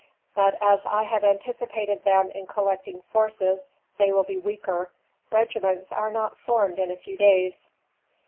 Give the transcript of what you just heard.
But as I have anticipated them in collecting forces they will be weaker. Regiments are not formed in a few days."